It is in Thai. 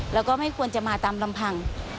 แล้วก็ไม่ควรจะมาตามลำพัง